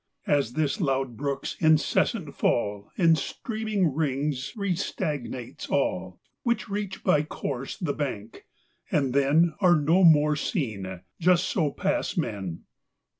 As this loud brook's incessant fall In streaming rings restagnates all, WHiich reach by course the bank, and then Are no more seen : just so pass men.